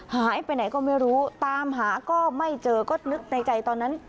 หายไปไหนก็ไม่รู้ตามหาก็ไม่เจอก็นึกในใจตอนนั้น